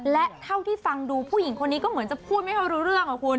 และเท่าที่ฟังดูผู้หญิงคนนี้ก็เหมือนจะพูดไม่ค่อยรู้เรื่องอะคุณ